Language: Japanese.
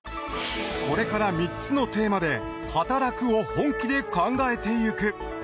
これから３つのテーマではたらくを本気で考えていく。